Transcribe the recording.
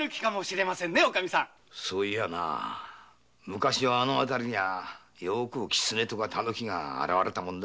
昔はあの辺りはよくキツネとかタヌキが現れたもんだ。